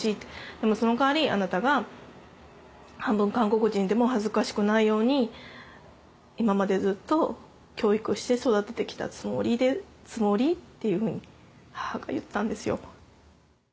でもその代わりあなたが半分韓国人でも恥ずかしくないように今までずっと教育して育ててきたつもり」っていうふうに母が言ったんですよ。